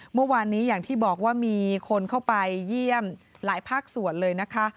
เมื่อวานนี้อย่างที่บอกว่ามีคนเข้าไปเยี่ยมหลายภาคส่วนเลยนะคะ